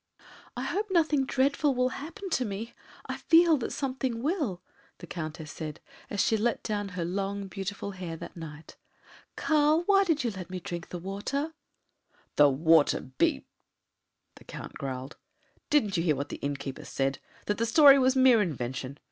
"I hope nothing dreadful will happen to me; I feel that something will," the Countess said, as she let down her long beautiful hair that night. "Carl, why did you let me drink the water?" "The water be !" the Count growled. "Didn't you hear what the innkeeper said? that the story was mere invention!